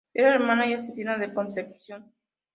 Es la hermana y asesina de Concepción.